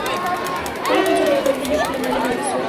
Fue el impulsor del Concilio Plenario de Venezuela.